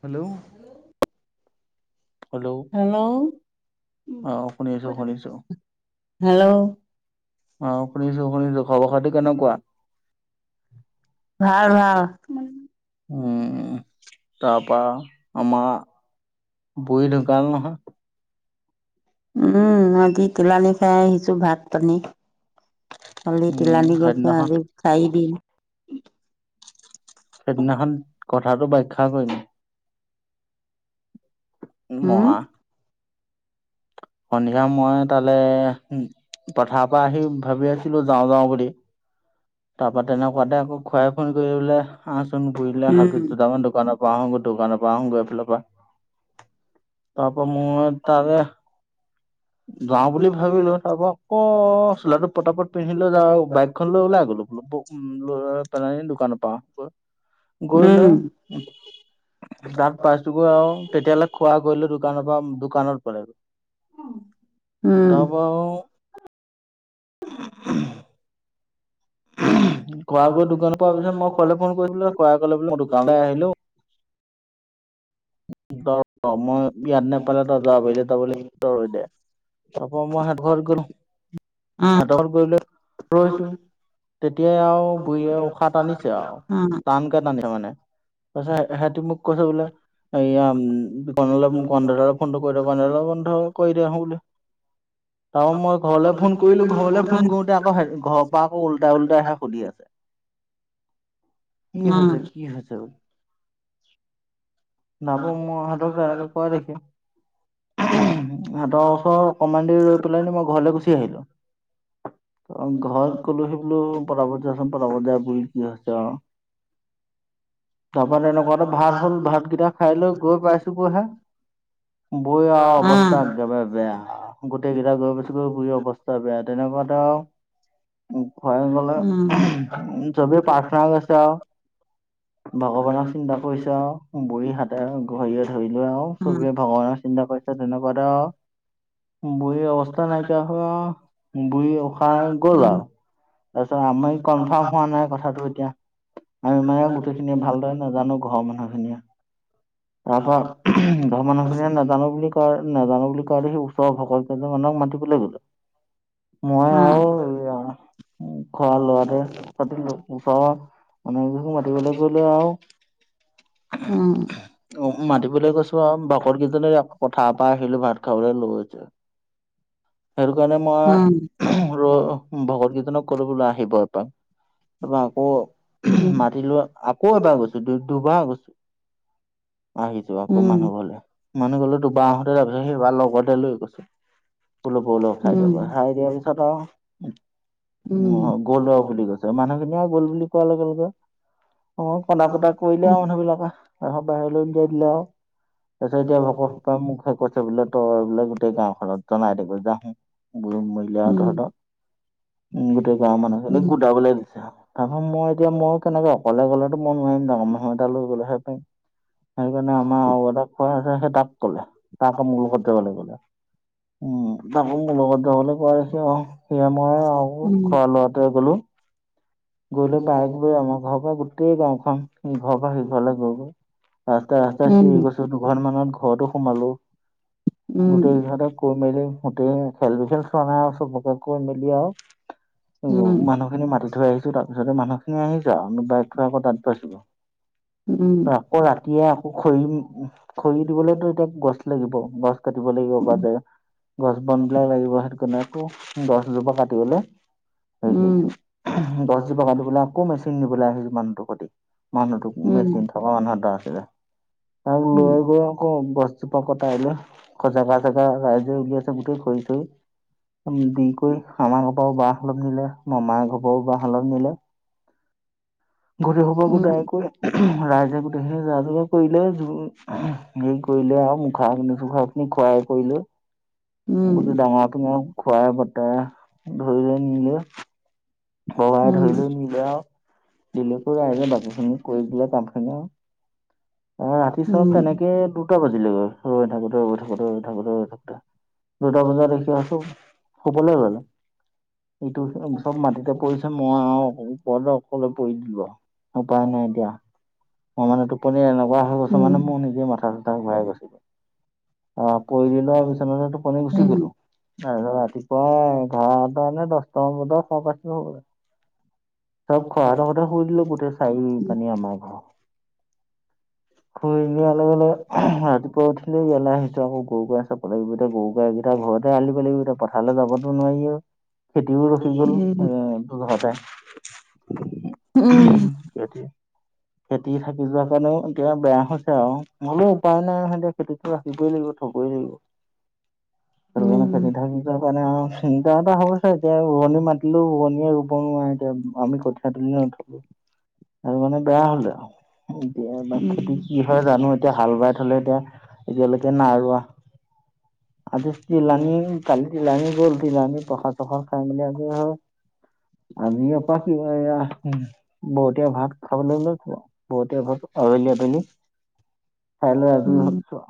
Hello? Hello hello আহ শুনি আছো শুনিছো। হেল্ল' অ' শুনিছো শুনিছো খবৰ খাটো কেনেকুৱা? ভাল ভাল। উম তাৰ পৰা আমাৰ বুঢ়ী ঢুকাল নহয়। উম আজি তিলানী খাই আহিছো ভাত পানী। কালি উম, তিলানী গৈছে সেইদিনাখন আজি চাৰি দিন। সেইদিনাখন কথাটো বাাখ্যা কৰিম। উম নোৱৰা। সন্ধিয়া মই তালে উম পথাৰৰ পৰা আহি ভাবি আছিলো যাওঁ যাওঁ বুলি। তাৰ পৰা তেনেকুৱাতে আকৌ খুৰিই ফোন কৰিলে, আহাচোন ঘৰলে উম হাগিচ দুটামান দোকানৰ পৰা। আহো গৈ দোকানৰ পৰা আহোঁ গৈ এইফালৰ, পৰা তাৰ পৰা মই তাৰে যাওঁ বুলি ভাবিলো, তাৰ পৰা আকৌ চোলাটো পতাপত পিন্ধিলৈ যাওঁ বুলি বাইকখন লৈ ওলাই গলো। উ প দোকানৰ পা গৈ লৈ তিত পাইছো গৈ আৰু তেতিয়াহ'লে খোৱা কৰিলো দোকানৰ পৰা দোকানত পা উম উম উম তাৰ পা আৰু বুজি পোৱা নগ'ল [unintelligible] খুৰা গৈ দোকান পোৱাৰ পিছত মই খুৰালৈ ফোন কৰিলোঁ, খুৰাই ক'লে বোলে মই দোকানলৈ আহিলোঁ। মই ইয়াত নেপালে তাত যাব পাৰিলে তাবলে ৰৈ দে। তাৰপা মই সেহ'তৰ ঘৰত গ'লো। সেহেতৰ ঘৰত গৈ লৈ ৰৈছো। তেতিয়াই আউ বুঢ়ীয়ে উশাহ টানিছে আউ টানকে টানিছে মানে কৈছে ইহ'তে মোক কৈছে বোলে। [unintelligible] তাৰপা মই ঘৰলে ফোন কৰিলোঁ, ঘৰলে ফোন কৰোতে তেতিয়া আকৌ হে ঘৰৰ পৰা আকৌ ওলটাই ওলটাহে সুধি আছে। কি উম হৈছে কি হৈছে? তাপা মই ইহঁতক এনেকে কোৱ দেখি ইহঁতৰ ওচৰ অকমান দেৰি ৰৈ পেলাইন মই ঘৰলে গুচি আহিলোঁ, ঘৰত ক'লোহি বোলো পতাপত জাচোন পতাপত জা, বুঢ়ী কি হৈছে আৰু তাৰপৰা তেনেকুৱাতে ভাল হ'ল, ভাত কেইটা লৈ গৈ পাইছোগৈহে, বৌৱে আৰু অৱস্থা একেবাই বেয়া আৰু, গোটেই কেইটা গৈ পাছোগৈ বুঢ়ী অৱস্থা বেয়া, তেনেকুৱাতে আৰু খুৰাঈ ক'লে, উম চবেই প্ৰাৰ্থনা গাইছে আৰু ভগৱানক চিন্তা কৰিছে আৰু, বুঢ়ী হাত ঘৰিয়ে ধৰিলো আৰু, চবেই ভগৱানৰ চিন্তা কৰিছে তেনেকুৱাতে আৰু বুঢ়ীৰ অৱস্থা নাইকিয়া হৈ আৰু বুঢ়ী উশাহ গ'ল আৰু। তাৰপিছত আমাৰ ই কনফাৰ্ম হোৱা নাই কথাটো এতিয়া আৰু আমি মানে গোটেইখিনি ভালদৰে নাজানো ঘৰৰ মানুহ খিনিয়ে তাপা ঘৰ মানুহখিনিয়ে নাজানো বুলি কয়, নাজানো বুলি কোৱা দেসি ওচৰ ভকত কেইজনমানক মাতিবলৈ গলে। একো শুনা নগল উম, উ খোৱা লোৱাতে পতিলো, উচৰ মানোবোৰক মাতিবলৈ গৈ লৈ আউ অ', অ', মাতিবলৈ কৈছো আউ, ভকত কেইজনে পথাৰ পৰা আহিলো ভাত খাবলৈ লৌ এতিয়া। সেইটো কাৰণে মই। অ ', ভকত কীজনক কলো বোলো আহিব এপাক! তাৰপা আকৌ। মাতি লোৱা আকৌ এবাৰ গৈছো! দু দুবাৰ গৈছো। আহিছো উম উম উম আকৌ উম উম মানুহ গলে, মানুহ গলে তো বাহঁতে সেইবা লগতে লৈ গৈছে। উলপ উলপ উম উম উম উম উম উম উম উম উম উম খাই দিব! খাই দিয়াৰ পিছত আউ গ'ল আউ বুলি কৈছে। মানুহখিনিয়ে গ'ল বুলি কোৱাৰ লগে লগে কনা-কটা কৰিলে আৰু মানুহ বিলাকে। তাৰপিছত বাহিৰলৈ উলিয়াই দিলে আউ, তাৰ পিছত এতিয়া ভকত তই মোকহে কৈছ বোলে, তই বোলে গোটেই গাঁওখনত জনাই দেগৈ যা। বাইদেউহঁতে গোটেই গাঁৱৰ মানুহখিনিক উম গোটাবলৈ দিছে, তা পা মই এতিয়া মই তেনেকে অকলে গ'লেটো মই নোৱাৰিম, ডাঙৰ মানুহ এটা লৈ গ'লেহে পাৰিম। সেইকাৰণে আমাৰ আউ এটা খোড়া আছে সেই তাক ক'লে, তাক আক মোৰ লগত যাব লাগে বোলে। উম, তাকৌ মোৰ লগত জাবলৈ কৈ আছে আউ। সেয়া মই আৰু খুড়া ল'ৰাটোৱে গ'লো। গৈ লৈ, বাইক লৈ আমাৰ ঘৰৰ পৰা গোটেই গাঁওখন সিঘৰৰ পৰা সিঘৰলৈ গৈ গৈ। ৰাস্তা ৰাস্তাই চিঞৰি গৈছো! দুঘ মানত ঘৰতো সোমালো, গোটেই কেইঘতে! কৈ মেলি গোটেই খেল বি খেল চোৱা নাই আৰু চবকে কৈ মেলি আৰু অ উম ', মানুহখিনি মাতি থৈ আহিছো, তাৰপিছতে মানুখিনি আহিছে, আউ বাইক থই আকৌ তাত গৈছো। উম উম আকৌ ৰাতিয়ে আকৌ খৰি। খৰি দিবলৈতো এতিয়া গছ লাগিব। গছ কাটিব লাগিব বা দে। গছ বন বিলাক লাগিব হেতু কানে আকৌ। গছজোপা কাটিবলে হেৰি কৰিছো। গছজোপা কাটিবলে আকৌ মেচিন নিবলৈ আহিছো মানুহটো সতি। মানুহটোক মেচিন অ', নাথ দা আছিলে। তাক লৈ গৈ আকৌ গছজোপা কটাই লৈ জাগা-চাগা ৰাইজে উলিয়াইছে গোটেই খই-চই দি কই আামাৰ ঘৰ পাও বাঁহ অলপ নিলে, মামাই ঘঅপাও বাঁহ অলপ নিলে। খৰিসোপা গোটাই কই ৰাইজে গোটেইখিনি যা যোগাৰ কৰিলে হেৰি কৰিলে আৰু মুখাগ্নি- চুখাগ্নি কৰাই কই লৈ, গোটেই ডাঙৰটো খোৱাই বতাই ধৰিয়ে নিলে। বগাই ধৰি লৈ নিলে আও। বেলেকে ৰাইজে বাকীখিনি কৰি দিলে কামখিনি আও। উমম। কেএ দুটা বাজিলেগৈ, ৰৈ থাকোতে ৰৈ থাকোতে ৰৈ থাকোতে ৰৈ থাকোতে। দুটা বজাত দেখি আছো, শুবলৈ ললে। ইটো চব মাটিত পৰিছে মই আৰু ওপৰতে অকলে পৰি দিলোঁ। উপায় নাই এতিয়া। মই মানে, টোপনিত এনেকুৱা হৈ গৈছো মানে ম নিজে মাথা-চাথা ঘূৰাই গৈছিল। অ পৰি দি লয় বিচনাতে টোপনি গুচি গলোঁ। ৰাতিপুৱা এঘাৰটা নে দশটামান বজাত সবৰ পাইছোঁ আৰু। চব খুৱাহতঁ‌ৰ ঘৰতে শুই দিলো গোটেই চাৰি পানি আমাৰ ঘৰ। [unintelligible] ৰাতিপুৱা উঠিলৈ ইয়ালে আহিছোঁ আকৌ গৰু-গাই চাব লাগিব এতিয়া। গৰু-গাইকেইটা ঘৰতে এৰাল দিব লাগিব এতিয়া। পথাৰলৈ যাবতো নোৱাৰি আৰু। খেতিও ৰখি গল [unintelligible] [inaudible] খেতি থাকি যোৱা কাৰণেও এতিয়া বেয়া হৈছে আৰু। হলেও উপায় নাই হয় দিয়ক খেতিতো ৰাখিবই লাগিব, থবই লাগিব। সেইটো কাৰণে খেতি থাকি পেনে আও চিন্তা এটা হৈছে এতিয়া ৰুৱনী মাত কিন্তু, ৰুৱনীয়ে ৰুব নোৱাৰে এতিয়া। আমি কঠীয়া তুলিএ নথলোঁ। আৰু মানে বেয়া হ'লে আ। খেতি কি হয় জানো এতিয়া হাল বাই থ'লে এতিয়া। এতিয়ালৈকে নাই ৰুৱা। আজি তিলানী কালি তিলানী গ'ল। তিলানী পসাদ-চখাদ খাই মেলি আজৰি হৈ। আমি এপা কি হয় আ উম, বৰতীয়া ভাত খাবলৈ লৈছোঁ আ। বৰতীয়া ভাত আবেলি আবেলি। কাইলৈ আজৰি হৈছোঁ আ।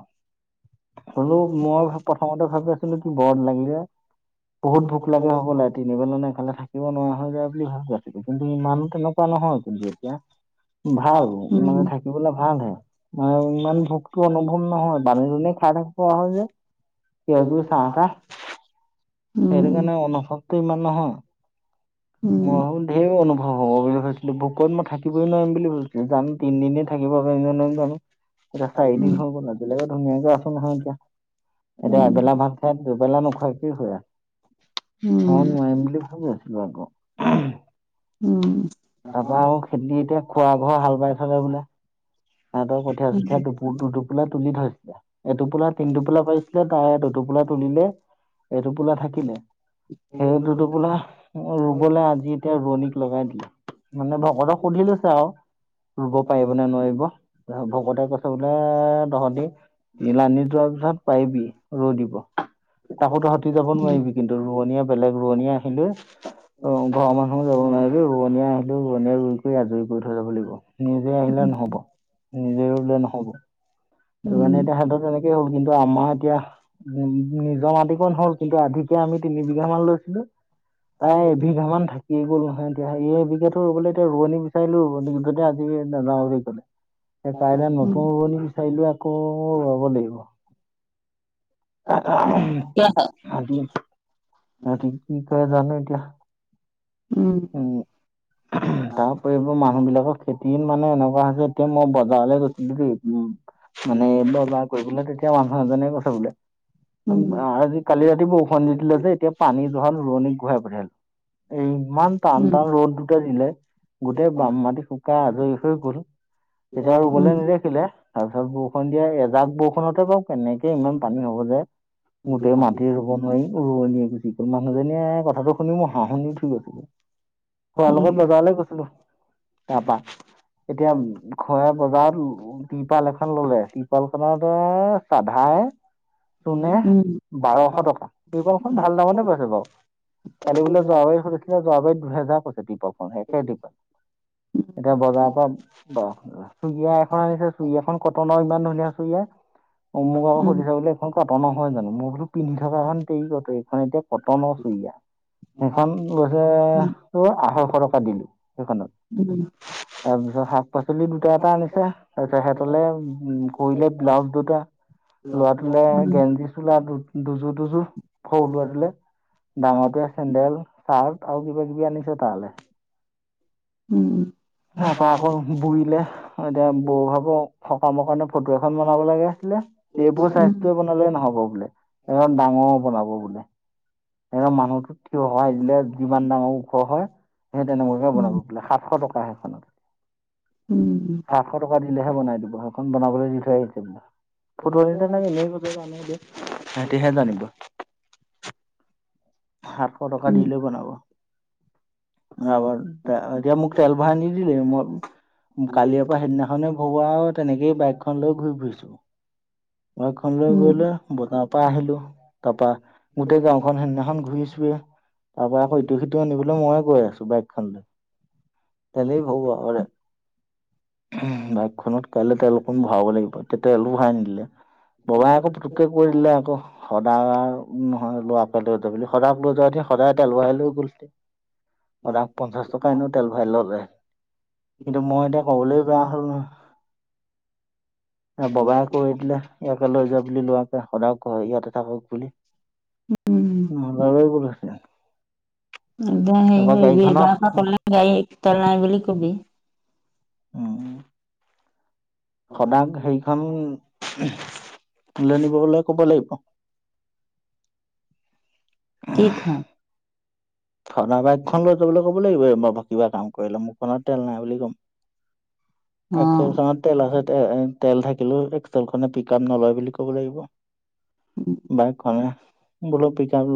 হলেও মই প্ৰথমতে ভাবি আছিলোঁ কি গৰম লাগি যায়। বহুত ভোক লাগে হ'বলা। তিনিবেলা নে নাখালে থাকিব নোৱাৰা হৈ যায় বুলি ভাবি আছিলোঁ। কিন্তু ইমানো তেনেকুৱা নহয় কিন্তু এতিয়া। ভাল। মানে থাক থাকিবলৈ ভাল হে। ইমান ভোকতো অনুভৱ নহয়। পানী-দুনি খাই থাকোঁ‌ যে। কিবা-কিবি চাহ-তাহ। সেইটো কাৰণে অনুভৱটো ইমান নহয়। মই হলে ধেৰ অনুভৱ হ'ব বুলি ভাবিছিলোঁ‌। ভুকত মই থাকিবই নোৱাৰিম বুলি ভাবিছিলোঁ‌। জান তিনিদিনে থাকিব পাৰিম নে নোৱাৰিম জানো? এতিয়া চাৰিদিন হৈ গ'ল আজিলেকে ধুনীয়াকে আছো নহয় এতিয়া। এতিয়া এবেলা ভাত ভাত দুবেলা নোখোৱাকেই হয় আছে। মই নোৱাৰিম বুলি ভাবি আছিলো আকৌ। উম, তা পা আওখেতিতে খোৱা ঘৰ হাল বাই থাকে বোলে। তাহহতৰ কঠীয়া-চঠীয়া দুপো দুটোপোলা তুলি থৈ দিছে। এটোপোলা তিন টোপোলা পাইছিল তাই টোপোলা তুলিলে, এটোপোলা থাকিলে। সেই দুটোপোলা ৰুবলে আজি এতিয়া ৰোৱনীক লগাই দিলে। মানে ভকতক সুধি লৈছে আৰু, ৰুব পাৰিব নে নোৱাৰিব? ভকতে কৈছে বোলে, তহতি তিল আনি যোৱাৰ পিছত পাৰিবি ৰৈ দিব তাকোতো সতি যাব নোৱাৰিবি। কিন্তু ৰোৱনীয়া বেলেগ ৰোৱনীয়া আহিলে অ, ঘৰৰ মানুহ যাব নোৱাৰিলে ৰোৱনীয়া আহিল। কি, ৰুৱণি কৰি আজৰি কৰি থৈ যাব লাগিব নিজে আহিলে নহ'ব নিজে ৰুলে নহ'ব। সেই কাৰণে এতিয়া সহত তেনেকেই হ'ল কিন্তু আমাৰ এতিয়া। উ, নিজৰ মাটিকণ হল কিন্তু আধিকে আমি তিনি বিঘা মান লৈছিলো। তাই বিঘামান থাকে কি'ল নহেয়, এতি এইবিাটোোবলে এতিয়া ৰোৱনী বিচাৰিলো যতে আজি নাযাওঁ বুলি ক'লে। সে, কাইলে নতুন হ'ব ৰোৱণী আকৌ ৰোৱাব লাগিব। তি, ৰাতি কি কয় জানো এতিয়া। উম, উম, তাৰ উপৰি মানুহ বিলাকৰ খেতিত মানে এনেকুৱা হৈছে এতিয়া মই বজাৰলৈ গৈছিলো দেই, উম, মানে এইব বাৰ কৰিবোলে তেতিয়া মানুহ এজনে কৈছে বোলে। আজি কালি ৰাতিওষি দিলে যে এতিয়া পানী জোহল ৰোৱনী ঘূৰাই পঠিয়িলো। উম, ইমান টান টান ৰ'দ দুটা দিলে গোটেই বাম মাটি শুকাই আজৰি হৈ গ'ল। এতিয়া আৰু বোলে নি দেখিলে। তাৰপিছত বৰষুণ দিয়া এজাক বৰষুণতে বাৰু কেনেকে ইমান পানী হ'ব যে। গোতেই মাটি ৰুব নোৱাৰি। ৰোৱনীয়ে গুচি গ'ল মানুহজনীয়ে কথাটো শুনি মই হাঁহি উঠি গ'ল। খোৱাৰ লগত বজাৰৈ গৈছিলো তাপা এতিয়া ঘৰে বজাৰত তিপাল এখন ল'লে তিপাল খনৰ চধাই। চুনে বাৰশ টকা তিপালখন ভাল দামতে পাইছো বাৰু কালি বোলে যোৱাবাৰীত সুধিছিলে যোৱাবাৰীত দুহেজাৰ কৈছে তিপালখন সেই একে তিপাল এতিয়া বজাৰৰ পৰা। চুৰিয়া এখন আনিছে, চুইয়া এখন কটনৰ ইমান ধুনীয়া চুৰিয়া। অ' মোক আক সুধিছে এখন কটন নহয় জানো, মই বো পিন্ধ থকাখন তেৰি কট এইখন এতিয়া। কটনৰ চুৰিয়া, সেইখন গৈছে ত আঢ়ৈশ টকা দিলো সেইখনত উম। তাৰ পিছত শাক পাচলি দুটা এটা আনিছে তাৰপিছত সিহঁতলে উম, কৰিলে ব্লাউজ দুটা। ল'ৰা টোলে গেঞ্জি চোলা দু দুযোৰ দুযোৰ সৰু ল'ৰা টোলে। ডাঙৰ টোৱে চেণ্ডেল চাৰ্ট আৰু কিবা কিবি আনিছো তালে। উম, উম। তাৰ পৰা আকৌ বইলে এতিয়া বৌ ভাগৰ সকামৰ কাৰণে ফটো এখন বনাব লগিছিলে। এইবোৰ স্বাস্থ্যয় বনালে নহ'ব বোলে, একদম ডাঙৰ বনাব বোলে। এ মানুহতো থিয় হোৱাই দিলে যিমান ডাঙৰ ওখৰ হয়। সেই তেনেকুৱাকে বনাব বোলে সাতশ টকাহ সেইখনত। উম, উম। সাতশ টকা দিলেহে বনাই দিব, সেইখন বনাবলৈ দি থৈ আহিছে বোলে। ফুটনিটে মাৰি এনেই কৈছে জানো, সিহঁতি হে জানিব। সাতশ টকা দি লয় বনাব ৰাবাৰ। এতিয়া মোক তেল ভৰাই নিদিলেই মই। কালিৰ পৰা সেইদিনাখনে ভৰোৱা আৰু তেনেকেই বাইকখন লৈ ঘূৰি ফুৰিছো। মখনলৈ গ'লে বজাৰৰ পৰা আহিলো তাৰপা। গোটেই গাঁওখন সেইদিনাখন ঘূৰিছো। তাৰ পৰাৰা আকৌ ইটো সিটো। আনিবলৈ ময়ে গৈ আছো বাইকখন ল তেলেই ভৰোৱা হোৱা নাই। বাইকখনত কাইলৈ তেল অকণ ভৰাব লাগিব, এতিয়া তেল ভৰাই নিদিলে। ববাই আকৌ পটুককে কয় দিলে আকৌ সদায় নহয় লোৱ আপ লৈ যা বুলি। তাক লৈ যোৱা সি সদায় তেল ভৰাই গ'ল হেতিন অদাক পঞ্চাশ টকা এনেও তেল ভৰাই ল'লে। কিন্তু মই এতিয়া ক'বলৈ বেয়া হ'ল। ববাই কয় দিলে ইয়াকে লৈ যা বুলি লোৱা। অডা কৰ ইয়াতে থাকক বুলি। উম। মলোৱা বাৰি গ'ল হেতেন। এই হেই গাড়ীখনৰ এবাৰ পৰা ক'লে গাড়ী তেল নাই বুলি কবি। উম। সদাগ হেৰিখন তিলনী কৰিবলৈ ক'ৰপাৰ লাগিব। কি হ। থণ বাইকখন লৈ যাবলৈ ক'ব লাগিব। মোৰ বাইক কিবা কাম কৰিলে মোৰখনত তেল নাই বুলি ক'ম। অ একচাৰ চত তেল আছে তে তেল থাকিলো নে পিক আপ নলয় বুলি ক'ব লাগিব। বাইকখনে বোলো পিক আপ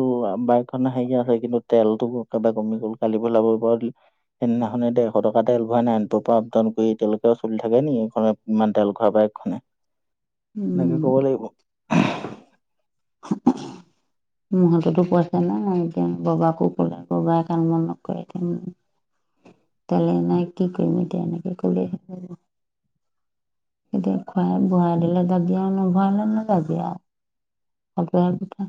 বাইক খনে হেৰি আছে কিন্তু তেলতো একেবাৰে কমি গ'ল কালি পেলাব পাৰ সেইদিনাখনে দে এশ টকা তেল ভৰাই নাই নাইনপুৰ পৰা আপ ডাউন কৰি এতিয়ালৈকে চলি থাকে এইখনে ইমান তেল খোৱাৰ বাইক খনে। এনেকে উম ক'ব লাগিব। [unintelligible] মোহঁততো পইচাছে না এতিয়া ববাকো ক'লে ববাই কণ বন নকৰে এতিয়া। তেলে নাই কি কৰিম এতিয়া এনেকে ক'লে। তেতিয়া খোৱাই বৰাই দিলে যাবি আৰু নগাঁও লে নাযাবি আৰু কাষত গ'লে কোঠা।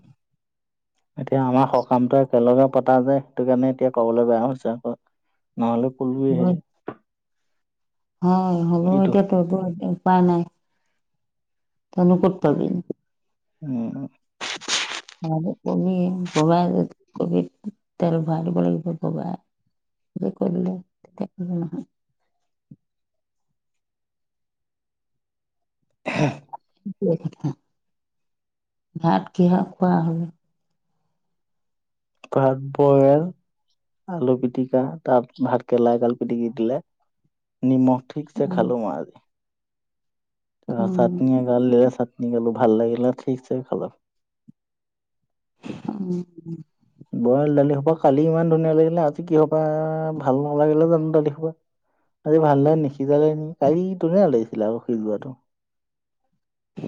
এতিয়া আমাৰ সকামটো একেলগে পতা যায় সেইটো কাৰণে এতিয়া ক'বলৈ বেয়া হৈছে আকৌ। নহ'লে কলোৱেই হয় হেই হয়, হ'ব এইটো এতিয়া উপায় নাই। তইনো ক'ত পাবি। উম। কবি ববা কবি তেল ভৰাই লাগিব ববা। যে কৰিলে তেতিয়া কৰিব নহয়। [unintelligible] সিটোৱে কথা ভাত কিহ খোৱা হ'ল। ভাত বইল আলু পিটিকা তাত ভাত কেৰেলা এডাল পিটিকি দিলে। নিমখ ঠিকছে খালো আ, আজি উম, চাটনি। দাল দিলে চাটনি গালো ভাল লাগিলে ঠিকছে খালো। [unintelligible] বইল দালি সোপা কালি ইমান ধুনীয়া লাগিলে আজি কি সোপা ভাল নালাগিলে জানো দালি খোপা। আজি ভাল লাগে নিসিজালে নে কালি ধুনীয়া লাগিছিলে আ সিজোৱাটো।